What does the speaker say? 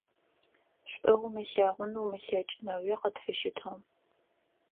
ШӀу умылъэгъун умылъэкӀынэуи къытфыщытыгъ.